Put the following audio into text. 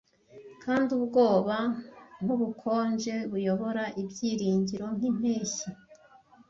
Kandi ubwoba nkubukonje buyobora ibyiringiro nkimpeshyi,